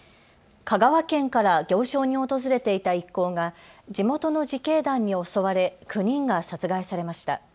香川県から行商に訪れていた一行が地元の自警団に襲われ９人が殺害されました。